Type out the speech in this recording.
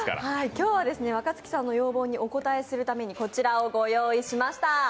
今日は若槻さんの要望にお応えするためにこちらをご用意しました。